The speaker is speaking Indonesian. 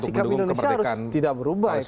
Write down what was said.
iya sikap indonesia harus tidak berubah ya